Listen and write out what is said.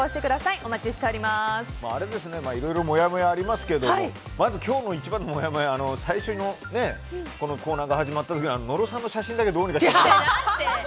いろいろ、もやもやありますがまず今日の一番のもやもやはこのコーナーが始まったところの野呂さんの写真だけは待って！